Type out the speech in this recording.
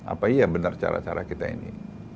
apa iya benar cara cara kita ini